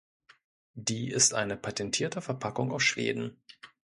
Die ist eine patentierte Verpackung aus Schweden.